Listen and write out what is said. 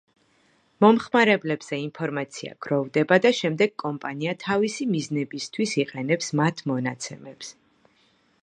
მომხმარებლებზე ინფორმაცია გროვდება და შემდეგ კომპანია თავისი მიზნებისთვის იყენებს მათ მონაცემებს.